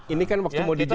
ini kan waktu mau dijemput